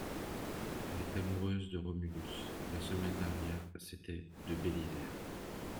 Elle est amoureuse de Romulus !… la semaine dernière c’était de Bélisaire !